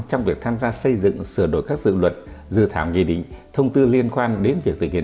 trong việc tham gia xây dựng sửa đổi các dự luật dự thảo nghị định thông tư liên quan đến việc thực hiện